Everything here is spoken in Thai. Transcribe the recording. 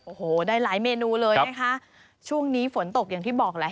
โอ้โหได้หลายเมนูเลยนะคะช่วงนี้ฝนตกอย่างที่บอกแหละ